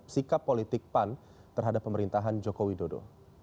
sikap politik pan terhadap pemerintahan joko widodo